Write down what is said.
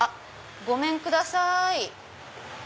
ごめんください。